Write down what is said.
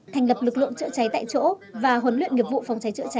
thành lập lực lượng chữa cháy tại chỗ